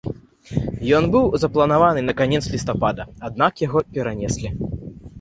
Ён быў запланаваны на канец лістапада, аднак яго перанеслі.